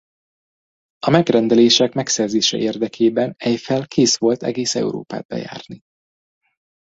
A megrendelések megszerzése érdekében Eiffel kész volt egész Európát bejárni.